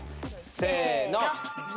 せの。